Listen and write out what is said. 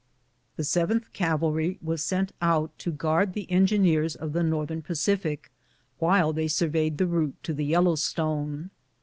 The 7th Cavalry were sent out to guard the engineers of the Northern Pacific, while they surveyed the route to the Yellowstone.